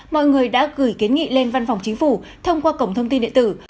mọi người đã gửi kiến nghị lên văn phòng chính phủ thông qua cổng thông tin địa tử